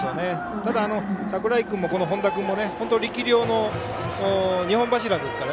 ただ櫻井君も、本田君も力量の２本柱ですから。